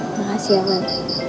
makasih ya man